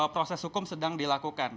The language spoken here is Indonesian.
proses hukum sedang dilakukan